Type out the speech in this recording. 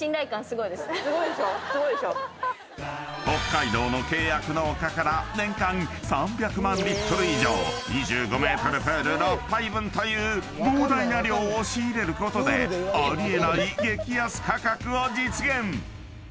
［北海道の契約農家から年間３００万リットル以上２５ｍプール６杯分という膨大な量を仕入れることであり得ない激安価格を実現］